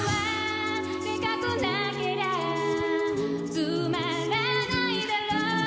「つまらないだろう」